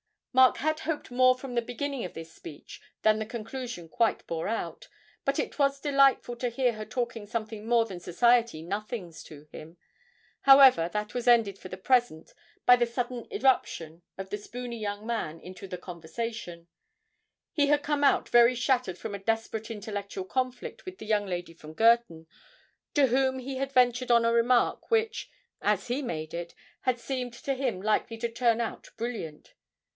Mark had hoped more from the beginning of this speech than the conclusion quite bore out, but it was delightful to hear her talking something more than society nothings to him. However, that was ended for the present by the sudden irruption of the spoony young man into the conversation; he had come out very shattered from a desperate intellectual conflict with the young lady from Girton, to whom he had ventured on a remark which, as he made it, had seemed to him likely to turn out brilliant.